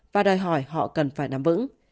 và đòi hỏi họ cần phải nắm vững